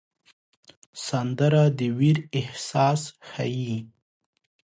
سندره د ویر احساس ښيي